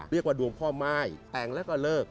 เรียกว่าดวงพ่อม่ายแต่งแล้วก็เลิก